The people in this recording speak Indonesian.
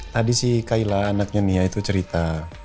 tadi sih kaila anaknya nia itu cerita